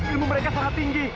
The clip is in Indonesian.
ilmu mereka sangat tinggi